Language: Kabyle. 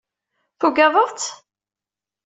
Tugadeḍ-tt?